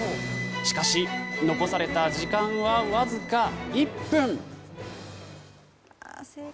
しかし、残された時間はわずか１分。